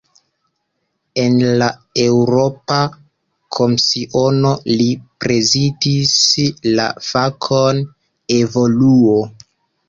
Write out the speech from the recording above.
En la Eŭropa Komisiono, li prezidis la fakon "evoluo".